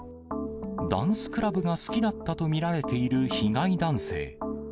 ダンスクラブが好きだったと見られている被害男性。